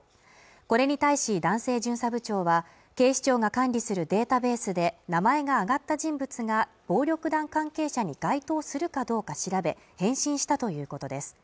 これに対し男性巡査部長は警視庁が管理するデータベースで名前が挙がった人物が暴力団関係者に該当するかどうか調べ返信したということです